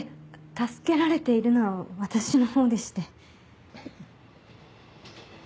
助けられているのは私のほうでして。